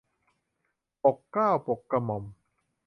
ปกเกล้าปกกระหม่อม